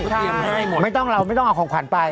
ใช่ไม่ต้องเราไม่ต้องเอาของขวัญไป